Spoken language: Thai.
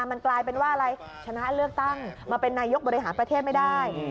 มันกลายเป็นว่าอะไรชนะเลือกตั้งมาเป็นนายกบริหารประเทศไม่ได้